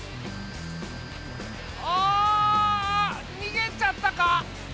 ああにげちゃったか。